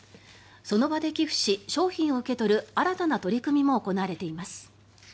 その場で寄付し、商品を受け取る新たな取り組みも行われています。